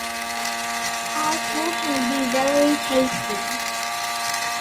Thai food can be very tasty.